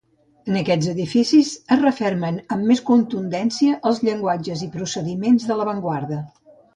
En aquests edificis es refermen amb més contundència els llenguatges i procediments de l'avantguarda.